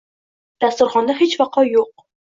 Dasturxonda hech vaqo yo‘q